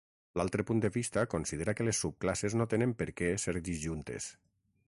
L'altre punt de vista considera que les subclasses no tenen per què ser disjuntes.